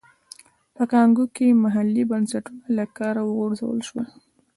په کانګو کې محلي بنسټونه له کاره وغورځول شول.